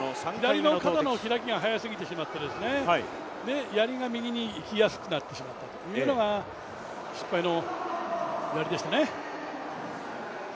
左の肩の開きが速すぎてしまって、やりが右にいきやすくなってしまったというのが失敗のやりでしたね。